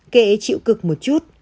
kệ chịu cực một chút